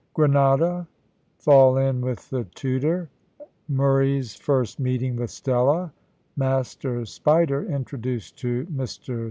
GRENADA FALL IN WITH THE TUDOR MURRAY'S FIRST MEETING WITH STELLA MASTER SPIDER INTRODUCED TO MR.